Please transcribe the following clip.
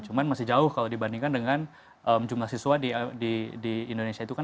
cuma masih jauh kalau dibandingkan dengan jumlah siswa di indonesia itu kan